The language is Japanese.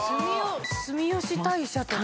住吉大社とか。